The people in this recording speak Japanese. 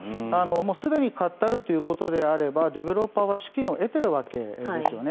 すでに買ってあるということであればディベロッパーは資金を得ているわけですね。